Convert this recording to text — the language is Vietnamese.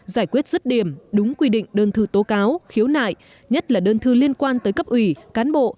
giải quyết rứt điểm đúng quy định đơn thư tố cáo khiếu nại nhất là đơn thư liên quan tới cấp ủy cán bộ